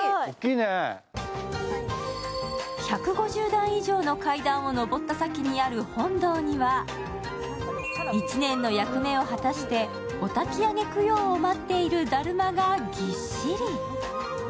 １５０段以上の階段を昇った先にある本堂には１年の役目を果たしてお焚き上げ供養を待っているだるまがぎっしり。